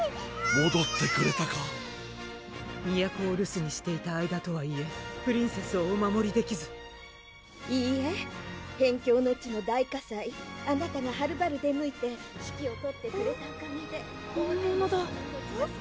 もどってくれたか都を留守にしていた間とはいえプリンセスをお守りできずいいえ辺境の地の大火災あなたがはるばる出向いて指揮をとってくれたおかげで本物だ！